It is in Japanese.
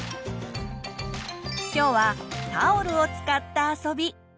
今日はタオルを使った遊び。